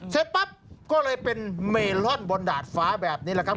เสร็จปั๊บก็เลยเป็นเมลอนบนดาดฟ้าแบบนี้แหละครับ